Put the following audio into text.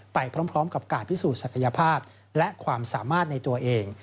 ไปพร้อมกับการพิสูจนศักยภาพและความสามารถในตัวเอง